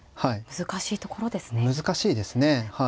難しいですね。